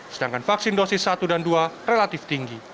sedangkan vaksin dosis satu dan dua relatif tinggi